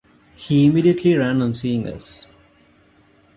He immediately ran on seeing us.